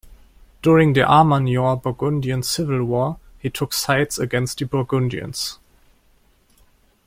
During the Armagnac-Burgundian Civil War he took sides against the Burgundians.